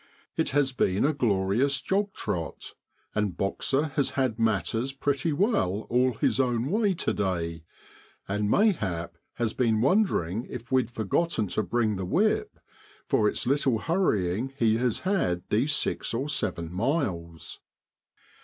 It has been a glorious APRIL IN BROADLAND. 35 jog trot ; and Boxer has had matters pretty well all his own way to day, and, may hap, has been wondering if we'd forgotten to bring the whip, for it's little hurrying he has had these six or seven miles.